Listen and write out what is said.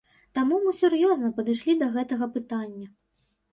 Таму мы сур'ёзна падышлі да гэтага пытання.